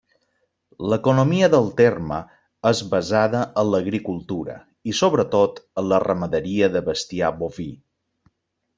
L'economia del terme és basada en l'agricultura i, sobretot, en la ramaderia de bestiar boví.